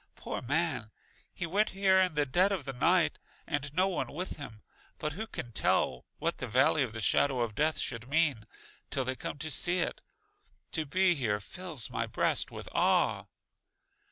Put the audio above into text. Poor man, he went here in the dead of the night, and no one with him; but who can tell what the Valley of the Shadow of Death should mean, till they come to see it? To be here fills my breast with awe!